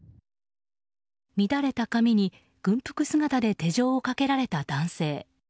乱れた髪に、軍服姿で手錠をかけられた男性。